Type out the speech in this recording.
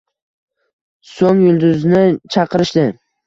So`ng Yulduzni chaqirishdi